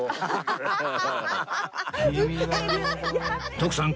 徳さん